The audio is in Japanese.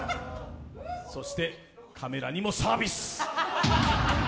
そして、カメラにもサービス。